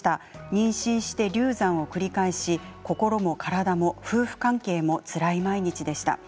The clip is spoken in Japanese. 妊娠して流産を繰り返し心も体も夫婦関係もつらい毎日でした。